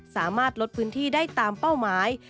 สามารถลดพื้นที่ได้ตามเป้าหมาย